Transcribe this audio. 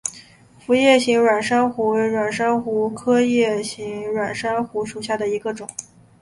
辐叶形软珊瑚为软珊瑚科叶形软珊瑚属下的一个种。